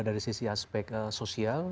dari sisi aspek sosial